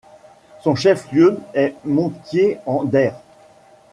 Son chef-lieu est Montier-en-Der.